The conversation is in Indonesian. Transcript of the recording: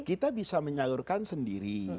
kita bisa menyalurkan sendiri